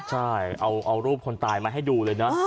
ใช่เอารูปคนตายมาให้ดูเลยนะ